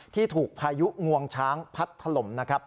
ที่ถูกพายุงวงช้างพัดถล่มนะครับ